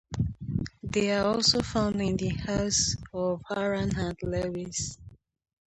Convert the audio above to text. They are also found in the Isles of Arran and Lewis.